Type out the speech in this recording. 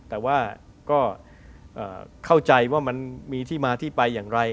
แต่ว่าก็เข้าใจว่ามันมีที่มาที่ไปอย่างไร